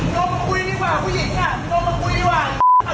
ลงมาคุยดีกว่าผู้หญิงโทรมาคุยดีกว่า